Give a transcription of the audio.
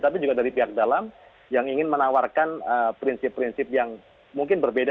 tapi juga dari pihak dalam yang ingin menawarkan prinsip prinsip yang mungkin berbeda